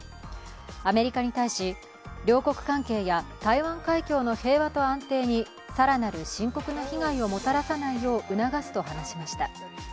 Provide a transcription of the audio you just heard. アメリカに対し、両国関係や台湾海峡の平和と安定に更なる深刻な被害をもたらさないよう促すと話しました。